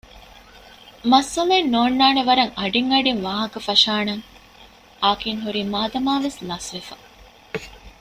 މައްސަލައެއް ނޯންނާނެވަރަށް އަޑިއަޑިން ވާހަކަ ފަށާނަން އާކިން ހުރީ މާދަމާވެސް ލަސްވެފަ